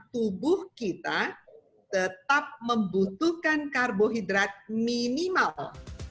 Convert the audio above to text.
tubuh kita tetap membutuhkan karbohidrat minimal